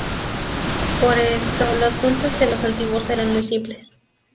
Por esto los dulces de los antiguos eran muy simples.